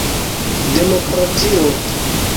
demokratio